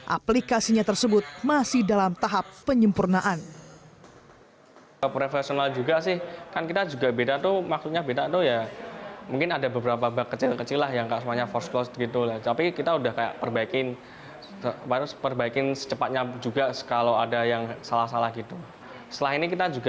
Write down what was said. aplikasinya tersebut masih dalam tahap penyempurnaan